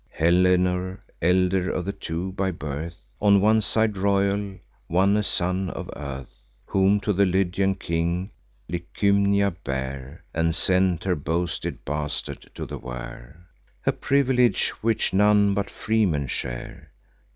Helenor, elder of the two: by birth, On one side royal, one a son of earth, Whom to the Lydian king Licymnia bare, And sent her boasted bastard to the war (A privilege which none but freemen share).